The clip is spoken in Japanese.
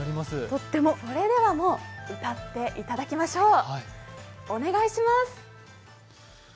それでは、もう歌っていただきましょう。